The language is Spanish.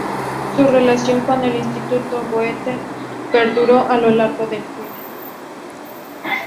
Su relación con el Instituto Goethe perduró a lo largo del tiempo.